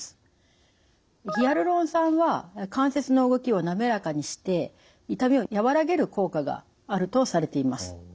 ヒアルロン酸は関節の動きをなめらかにして痛みを和らげる効果があるとされています。